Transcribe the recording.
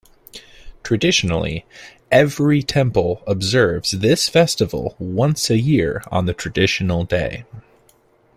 Traditionally, every temple observes this festival once a year on the traditional day.